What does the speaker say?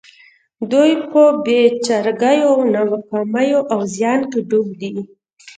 دوی په بې چارګيو او ناکاميو او زيان کې ډوب دي.